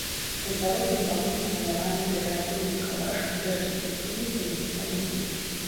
На зваротным баку намаляваны дэкаратыўны калаж з архітэктурных элементаў музея.